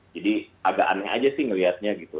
jadi agak aneh aja sih ngeliatnya gitu